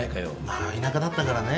まあ田舎だったからね。